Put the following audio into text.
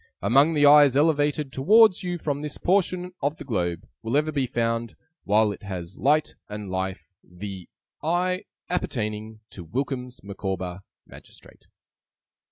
'Among the eyes elevated towards you from this portion of the globe, will ever be found, while it has light and life, 'The 'Eye 'Appertaining to 'WILKINS MICAWBER, 'Magistrate.